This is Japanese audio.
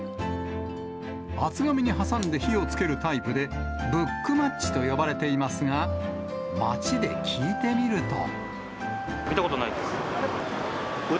厚紙に挟んで火をつけるタイプで、ブックマッチと呼ばれていますが、見たことないです。